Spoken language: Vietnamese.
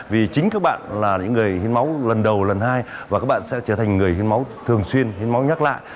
vì chính các bạn là những người hiến máu lần đầu lần hai và các bạn sẽ trở thành người hiến máu thường xuyên hiến máu nhắc lại